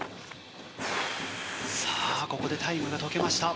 さあここでタイムが解けました。